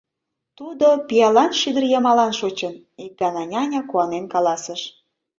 — Тудо пиалан шӱдыр йымалан шочын, — ик гана няня куанен каласыш.